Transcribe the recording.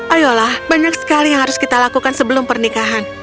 ayolah banyak sekali yang harus kita lakukan sebelum pernikahan